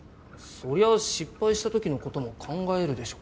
そりゃ失敗した時のことも考えるでしょ。